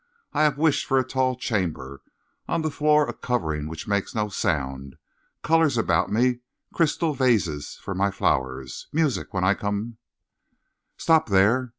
I have wished for a tall chamber on the floor a covering which makes no sound, colors about me crystal vases for my flowers music when I come " "Stop there!